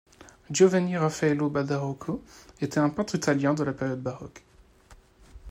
Giovanni Raffaello Badarocco était un peintre italien de la période baroque.